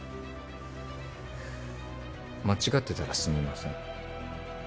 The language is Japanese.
間違ってたらすみません。